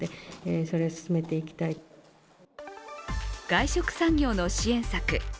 外食産業の支援策